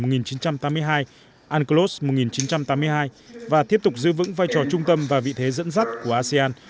unclos một nghìn chín trăm tám mươi hai và tiếp tục giữ vững vai trò trung tâm và vị thế dẫn dắt của asean